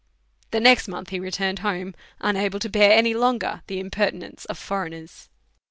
The next month he returned home, unable to bear any longer the impertinence of foreigners.